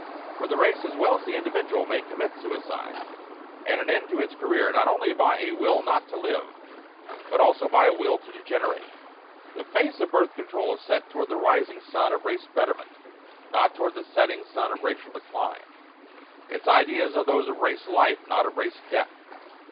For the race, as well as the individual, may commit "suicide" and an end to its career, not only by a will not to live but also by a will to degenerate. The face of Birth Control is set toward the rising sun of Race Betterment, not toward the setting sun of Racial Decline. Its ideas are those of Race Life, not of Race Death.